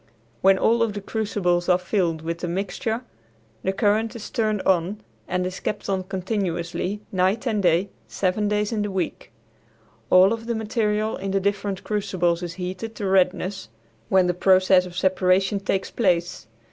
When all of the crucibles are filled with the mixture the current is turned on and is kept on continuously night and day seven days in the week. All of the material in the different crucibles is heated to redness, when the process of separation takes place.